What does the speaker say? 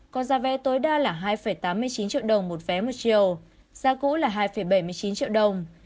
có giá vé tối đa là hai tám mươi chín triệu đồng một vé một chiều giá cũ là hai bảy mươi chín triệu đồng